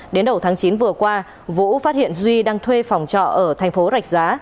đến đầu tháng chín vừa qua vũ phát hiện duy đang thuê phòng trọ ở thành phố rạch giá